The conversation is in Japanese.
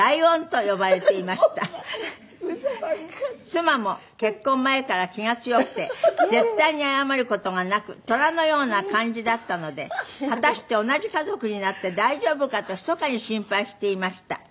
「妻も結婚前から気が強くて絶対に謝る事がなくトラのような感じだったので果たして同じ家族になって大丈夫かとひそかに心配していました」